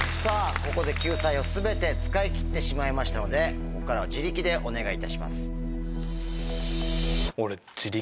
ここで救済を全て使い切ってしまいましたのでここからは自力でお願いいたします。